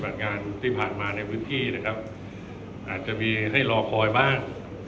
งานที่ผ่านมาในพื้นที่นะครับอาจจะมีให้รอคอยบ้าง